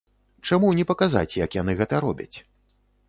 Чаму не паказаць, як яны гэта робяць?